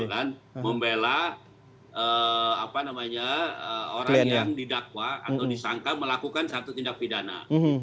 karena itu adalah apa namanya orang yang didakwa atau disangka melakukan satu tindak pidana